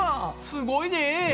すごいね！